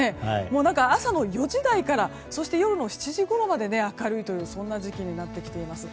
朝の４時台からそして夜の７時ごろまで明るいというそんな時期になってきています。